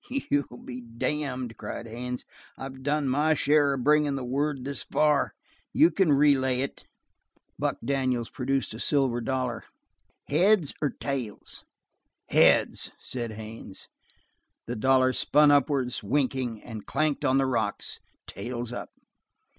"You'll be damned," cried Haines. "I've done my share by bringing the word this far. You can relay it." Buck Daniels produced a silver dollar. "Heads or tails?" "Heads!" said Haines. The dollar spun upwards, winking, and clanked on the rocks, tails up.